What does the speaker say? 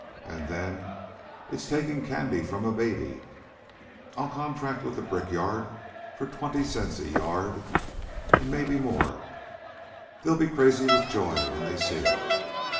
An' then it's takin' candy from a baby I'll contract with the brickyard for twenty cents a yard maybe more. They'll be crazy with joy when they see it.